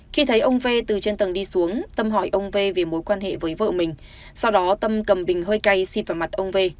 khi thấy ông v từ trên tầng đi xuống tâm hỏi ông v vì mối quan hệ với vợ mình sau đó tâm cầm bình hơi cay xin vào mặt ông v